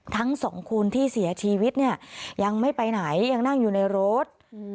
ทั้งสองคนที่เสียชีวิตเนี่ยยังไม่ไปไหนยังนั่งอยู่ในรถ